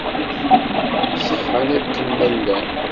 Ṣeḥḥan akken ma llan.